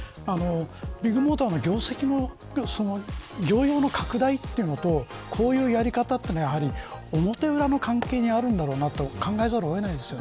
ビッグモーターの業績も業容の拡大とこういうやり方というのは表裏の関係にあるんだろうなと考えざるを得ないです。